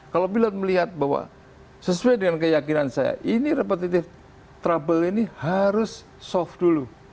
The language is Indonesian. kalau pilot melihat bahwa sesuai dengan keyakinan saya ini repetitive trouble ini harus soft dulu